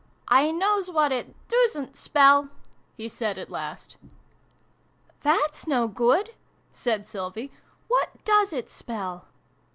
" I knows what it doosrit spell !" he said at last. " That's no good," said Sylvie. " What does it spell?"